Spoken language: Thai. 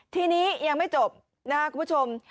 ทีนี้ยังไม่จบนะครับคุณผู้ชม